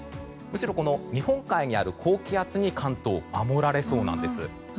むしろ、日本海にある高気圧に関東は守られそうなんです。